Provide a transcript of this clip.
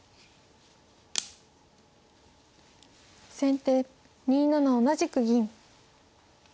先手２七同じく銀。